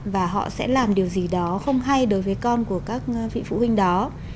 và họ sẽ làm điều gì đó không hay đối với con của các vị phụ huynh đó